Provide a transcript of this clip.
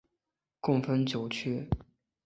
共分九区。